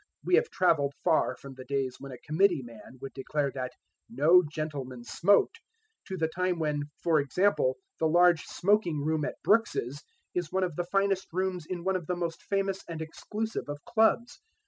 We have travelled far from the days when a committee man could declare that "No Gentleman smoked," to the time when, for example, the large smoking room at Brooks's is one of the finest rooms in one of the most famous and exclusive of clubs.